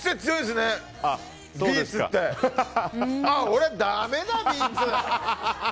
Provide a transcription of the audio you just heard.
俺、だめだビーツ。